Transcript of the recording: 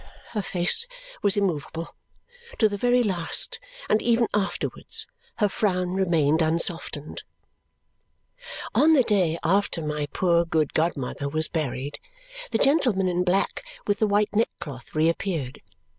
Her face was immovable. To the very last, and even afterwards, her frown remained unsoftened. On the day after my poor good godmother was buried, the gentleman in black with the white neckcloth reappeared.